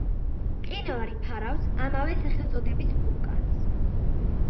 მყინვარი ფარავს ამავე სახელწოდების ვულკანს.